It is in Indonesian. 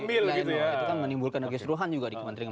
itu kan menimbulkan keseruhan juga di kementerian